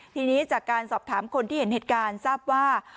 ทีนี้จากการสอบถามคนที่เห็นเหตุการณ์ทราบว่า